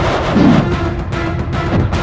aku akan mencari dia